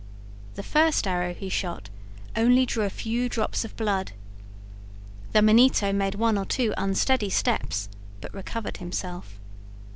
The first arrow he shot only drew a few drops of blood. The Manito made one or two unsteady steps, but recovered himself.